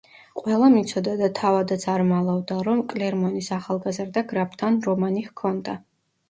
ყველამ იცოდა და თავადაც არ მალავდა, რომ კლერმონის ახალგაზრდა გრაფთან რომანი ჰქონდა.